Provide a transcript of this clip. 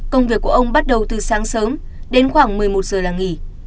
công việc của ông bắt đầu từ sáng sớm đến khoảng một mươi một giờ là nghỉ